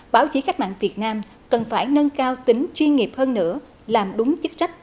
báo chí cách mạng việt nam cần phải nâng cao tính chuyên nghiệp hơn nữa làm đúng chức trách